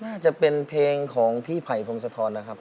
น่าจะเป็นเพลงของพี่ไผ่พรมสะท้อนนะครับ